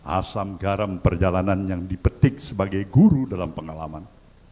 asam garam perjalanan yang dipetik sebagai guru dalam pengalaman